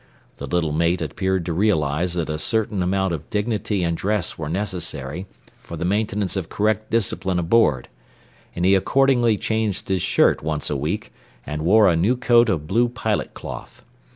The little mate appeared to realize that a certain amount of dignity and dress were necessary for the maintenance of correct discipline aboard, and he accordingly changed his shirt once a week and wore a new coat of blue pilot cloth.